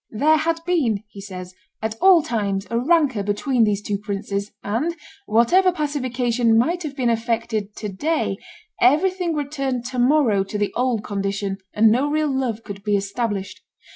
"There had been," he says, "at all times a rancor between these two princes, and, whatever pacification might have been effected to day, everything returned to morrow to the old condition, and no real love could be established.